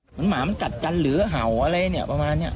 หมามันกัดกันหรือเห่าอะไรเนี่ยประมาณนี้